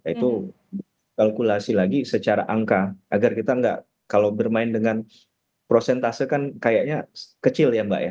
itu kalkulasi lagi secara angka agar kita nggak kalau bermain dengan prosentase kan kayaknya kecil ya mbak ya